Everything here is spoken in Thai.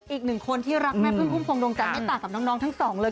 อีกหนึ่งคนที่รักแม่พึ่งพุ่มพวงดวงจันทร์ไม่ต่างกับน้องทั้งสองเลย